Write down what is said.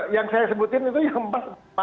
yang saya sebutin itu yang empat